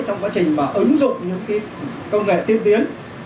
trong quá trình mà ứng dụng những công nghệ tiên tiến